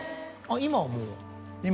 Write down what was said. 今はもう？